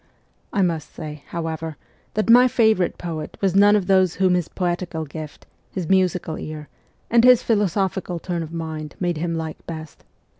I must say, however, that rny favourite poet was none of those whom his poetical gift, his musical ear, and his philosophical turn of mind made him like best.